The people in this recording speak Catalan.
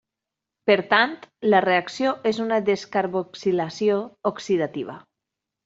Per tant, la reacció és una descarboxilació oxidativa.